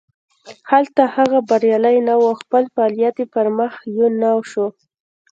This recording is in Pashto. هلته هغه بریالی نه و او خپل فعالیت یې پرمخ یو نه شو.